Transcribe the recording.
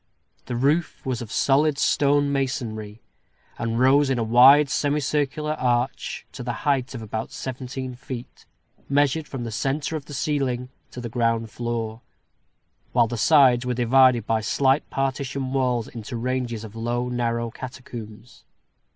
The roof was of solid stone masonry, and rose in a wide semicircular arch to the height of about seventeen feet, measured from the centre of the ceiling to the ground floor, while the sides were divided by slight partition walls into ranges of low, narrow catacombs.